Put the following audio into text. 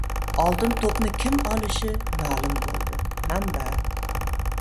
"Oltin to‘p"ni kim olishi ma’lum bo‘ldi — manba